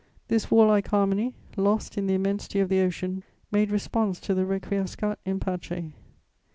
This warlike harmony, lost in the immensity of the Ocean, made response to the _Requiescat in pace.